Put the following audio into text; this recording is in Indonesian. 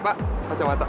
pak pacar mata